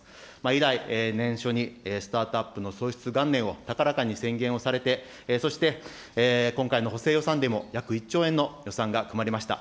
以来、年初にスタートアップの創出元年を高らかに宣言をされて、そして今回の補正予算でも約１兆円の予算が組まれました。